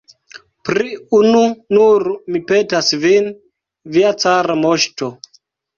Pri unu nur mi petas vin, via cara moŝto!